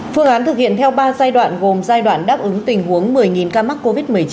phương án thực hiện theo ba giai đoạn gồm giai đoạn đáp ứng tình huống một mươi ca mắc covid một mươi chín